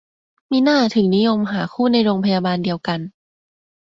มิน่าถึงนิยมหาคู่ในโรงพยาบาลเดียวกัน